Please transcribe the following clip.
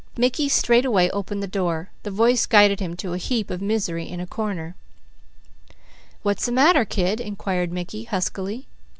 Mickey straightway opened the door. The voice guided him to a heap of misery in a corner. "What's the matter kid?" inquired Mickey huskily.